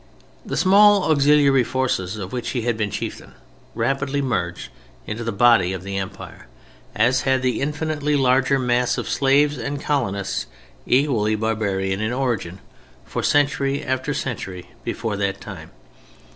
The small auxiliary forces of which he had been chieftain rapidly merged into the body of the Empire, as had the infinitely larger mass of slaves and colonists, equally barbarian in origin, for century after century before that time.